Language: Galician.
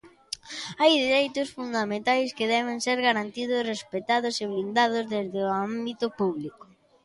Hai dereitos fundamentais que deben ser garantidos, respectados e blindados desde o ámbito público.